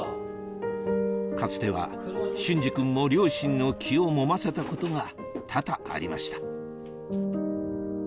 かつては隼司君も両親の気を揉ませたことが多々ありました